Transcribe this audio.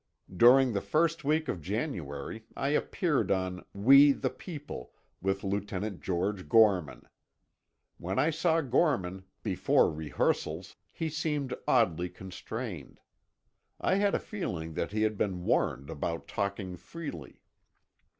During the first week of January, I appeared on "We, the People," with Lieutenant George Gorman. When I saw Gorman, before rehearsals, he seemed oddly constrained. I had a feeling that he had been warned about talking freely.